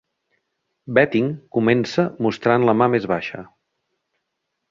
Betting comença mostrant la ma més baixa.